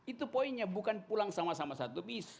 itu poinnya bukan pulang sama sama satu bis